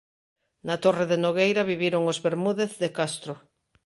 Na torre de Nogueira viviron os Bermúdez de Castro.